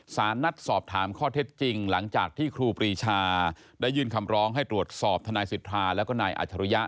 สารนัดสอบถามข้อเท็จจริงหลังจากที่ครูปรีชาได้ยื่นคำร้องให้ตรวจสอบทนายสิทธาแล้วก็นายอัจฉริยะ